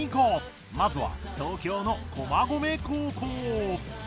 まずは東京の駒込高校。